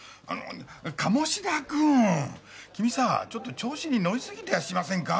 鴨志田君君さちょっと調子に乗りすぎてやしませんか？